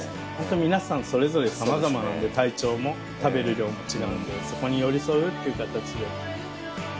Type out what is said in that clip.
皆さんそれぞれさまざまなんで体調も食べる量も違うんでそこに寄り添うって形で。